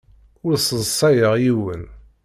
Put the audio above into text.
Ur sseḍsayeɣ yiwen.